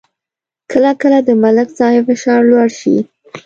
کله کله د ملک صاحب فشار لوړ شي